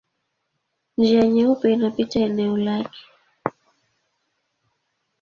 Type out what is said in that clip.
Njia Nyeupe inapita eneo lake.